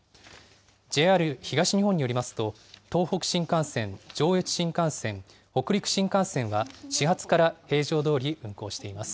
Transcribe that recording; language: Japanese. ＪＲ東日本によりますと、東北新幹線、上越新幹線、北陸新幹線は始発から平常どおり運行しています。